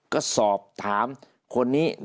ก็สอบถามคนนี้